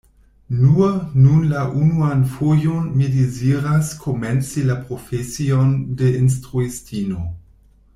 Nur nun la unuan fojon mi deziras komenci la profesion de instruistino.